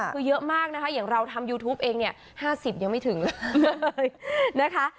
คือเยอะมากนะคะอย่างเราทำยูทูปเองเนี่ย๕๐ยังไม่ถึงเลยนะคะ